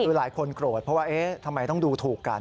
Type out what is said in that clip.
คือหลายคนโกรธเพราะว่าเอ๊ะทำไมต้องดูถูกกัน